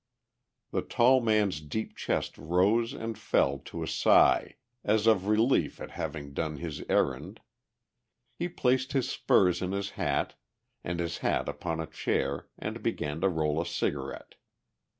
The tall man's deep chest rose and fell to a sigh as of relief at having done his errand; he placed his spurs in his hat and his hat upon a chair and began to roll a cigarette.